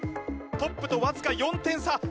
トップとわずか４点差